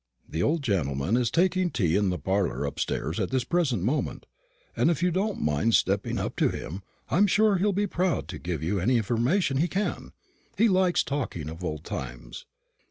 The old gentleman is taking tea in the parlour upstairs at this present moment, and if you don't mind stepping up to him, I'm sure he'll be proud to give you any information he can. He likes talking of old times."